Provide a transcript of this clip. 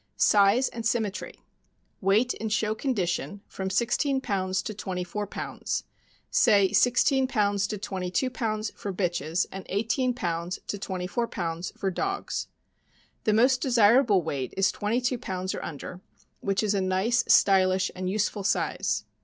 Size and symmetry. — Weight in show condition, from sixteen pounds to twenty four pounds — say sixteen pounds to twenty two pounds for bitches and eighteen pounds to twenty four pounds for dogs. The most desirable weight is twenty two pounds or under, which is a nice, stylish, and useful size.